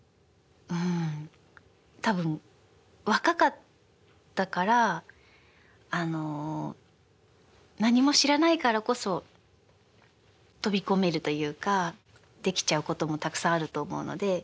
多分若かったから何も知らないからこそ飛び込めるというかできちゃうこともたくさんあると思うので。